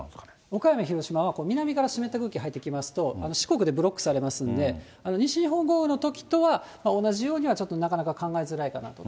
岡山、広島は南から湿った空気が入ってきますと、四国でブロックされますので、西日本豪雨のときとは、同じようにはちょっとなかなか考えづらいかなと。